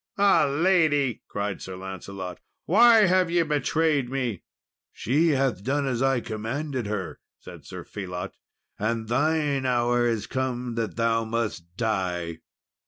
"Ah, lady!" cried Sir Lancelot, "why have ye betrayed me?" "She hath done as I commanded her," said Sir Phelot, "and thine hour is come that thou must die."